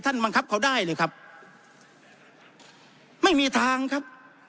บังคับเขาได้เลยครับไม่มีทางครับ